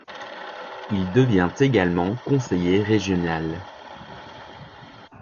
Il devient également conseiller régional.